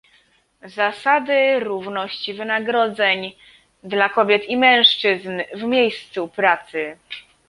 zasady równości wynagrodzeń dla kobiet i mężczyzn w miejscu pracy